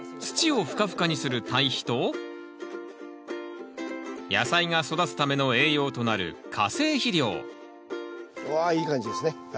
土をふかふかにする堆肥と野菜が育つための栄養となるわいい感じですね。